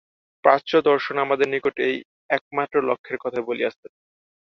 প্রাচ্য দর্শন আমাদের নিকটে এই একমাত্র লক্ষ্যের কথাই বলিয়াছেন।